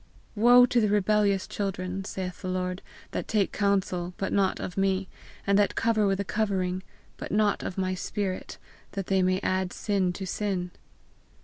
"Woe to the rebellious children, saith the Lord, that take counsel, but not of me; and that cover with a covering, but not of my spirit, that they may add sin to sin!"